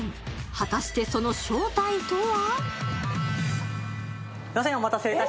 果たして、その正体とは？